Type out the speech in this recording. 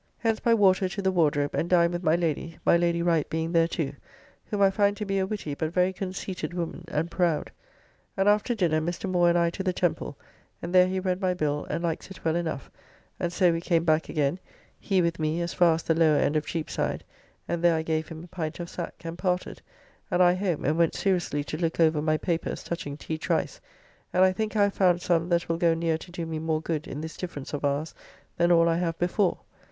Hence by water to the Wardrobe, and dined with my Lady, my Lady Wright being there too, whom I find to be a witty but very conceited woman and proud. And after dinner Mr. Moore and I to the Temple, and there he read my bill and likes it well enough, and so we came back again, he with me as far as the lower end of Cheapside, and there I gave him a pint of sack and parted, and I home, and went seriously to look over my papers touching T. Trice, and I think I have found some that will go near to do me more good in this difference of ours than all I have before.